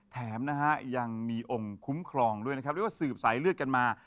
แถมนะฮะยังมีองค์คุ้มครองด้วยนะครับเรียกว่าสืบสายเลือดกันมา